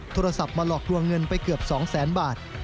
โทรศัพท์มาหลอกลวงเงินไปเกือบ๒แสนบาท